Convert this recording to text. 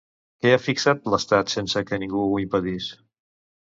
Què ha fixat l'Estat sense que ningú ho impedís?